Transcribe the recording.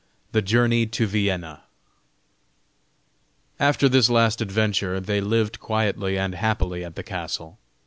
THE JOURNEY TO VIENNA. After this last adventure, they lived quietly and happily at the castle.